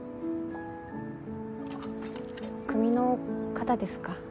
組の方ですか？